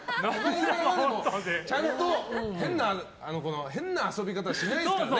ちゃんと変な遊び方しないですからね。